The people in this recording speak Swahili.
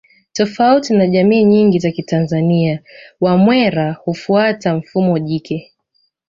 Tofauti na jamii nyingi za kitanzania Wamwera hufuata mfumo jike